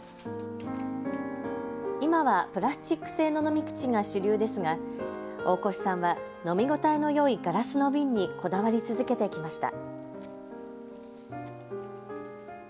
今はプラスチック製の飲み口が主流ですが大越さんは飲み応えのよいガラスの瓶にこだわり続けてきました。